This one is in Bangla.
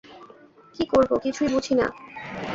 কী করব কিছুই বুঝি না।